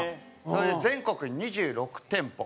それで全国に２６店舗。